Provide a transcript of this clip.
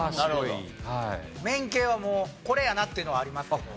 メイン系はもうこれやなっていうのはありますけど。